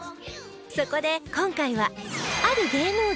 そこで今回はある芸能人の別荘へ